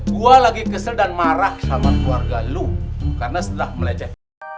gue lagi kesel dan marah sama keluarga lo karena sudah meleceh